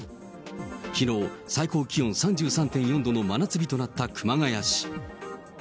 きのう、最高気温３３．４度の真夏日となった熊谷市。